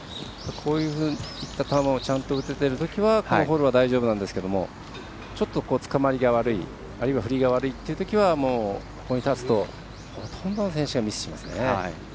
こういった球をちゃんと打てているときはこのホールは大丈夫なんですけどちょっとつかまりが悪い振りが悪いというときはここに立つとほとんどの選手がミスしますね。